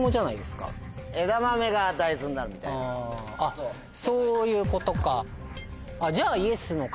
あっそういうことか。